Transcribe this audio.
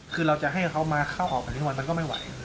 คือเราจะให้เขามาเข้าออกกันทุกวันมันก็ไม่ไหว